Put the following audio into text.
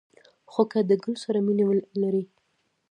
خو که د گل سره مینه لرئ